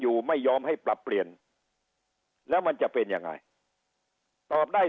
อยู่ไม่ยอมให้ปรับเปลี่ยนแล้วมันจะเป็นยังไงตอบได้